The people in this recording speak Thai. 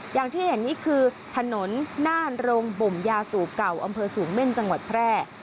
อย่างที่เห็นนี่คือถนนหน้าโรงบ่มยาสูบเก่าอำเภอสูงเม่นจังหวัดแพร่